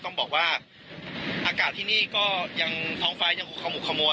ต้องบอกว่าอากาศที่นี่ก็ยังท้องฟ้ายังคงขมุกขมัว